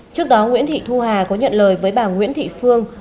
trước đó nguyễn thị thu hà có nhận lời với bà nguyễn thị phương